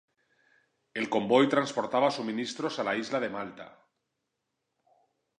El convoy transportaba suministros a la isla de Malta.